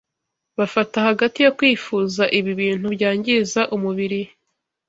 bafata hagati yo kwifuza ibi bintu byangiza umubiri